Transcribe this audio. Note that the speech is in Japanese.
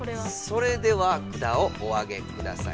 それではふだをおあげください。